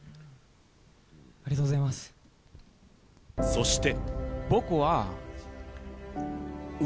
そして。